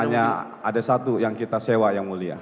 hanya ada satu yang kita sewa yang mulia